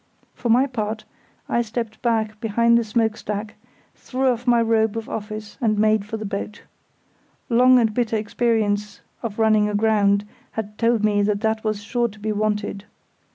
For my part, I stepped back behind the smoke stack, threw off my robe of office, and made for the boat. Long and bitter experience of running aground had told me that that was sure to be wanted.